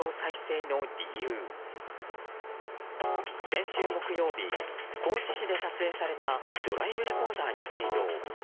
先週木曜日高知市で撮影されたドライブレコーダーの映像。